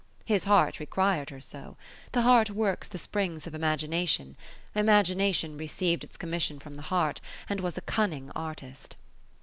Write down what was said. His heart required her so. The heart works the springs of imagination; imagination received its commission from the heart, and was a cunning artist.